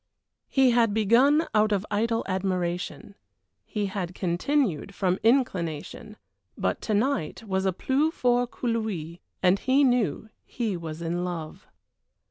He had begun out of idle admiration; he had continued from inclination; but to night it was plus fort que lui, and he knew he was in love.